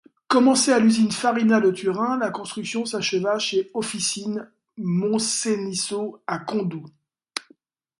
Commencée à l’usine Farina de Turin, la construction s’acheva chez Officine Monceniso à Condoue.